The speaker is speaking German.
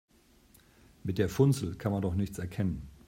Mit der Funzel kann man doch nichts erkennen.